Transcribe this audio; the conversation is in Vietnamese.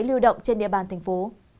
lưu động trên địa bàn thành phố